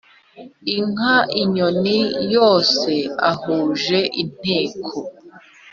inka, inyoni yose ahuje inteko